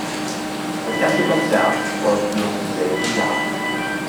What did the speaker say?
Das erste Konzert folgte noch im selben Jahr.